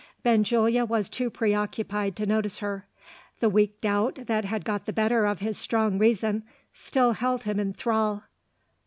Benjulia was too preoccupied to notice her. The weak doubt that had got the better of his strong reason, still held him in thrall.